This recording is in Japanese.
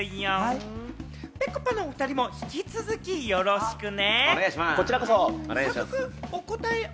ぺこぱのお２人も引き続きよろしくね！